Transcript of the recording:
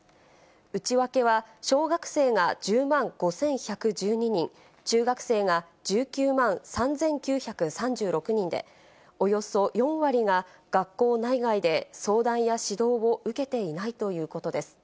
内訳は、小学生が１０万５１１２人、中学生が１９万３９３６人で、およそ４割が、学校内外で相談や指導を受けていないということです。